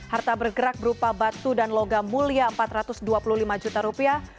harta bergerak berupa batu dan logam mulia empat ratus dua puluh lima juta rupiah